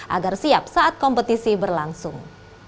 agar siap saat kompetisi berlangsung